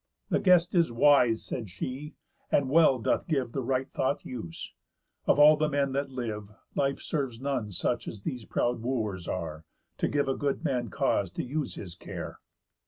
"The guest is wise," said she, "and well doth give The right thought use. Of all the men that live, Life serves none such as these proud Wooers are, To give a good man cause to use his care."